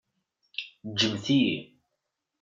Ǧǧemt-iyi!